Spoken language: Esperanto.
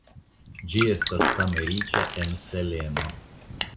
Ĝi estas same riĉa en seleno.